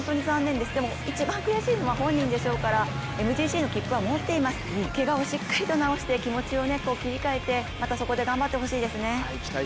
でも一番悔しいのは本人でしょうから、ＭＧＣの切符は持っていますけがをしっかりと直して気持ちを切り替えてまたそこで頑張ってほしいですね。